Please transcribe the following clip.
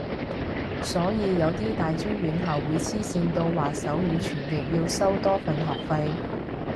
所以有啲大專院校會黐線到話手語傳譯要收多份學費